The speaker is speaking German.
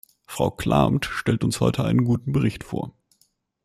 Frau Klamt stellt uns heute einen guten Bericht vor.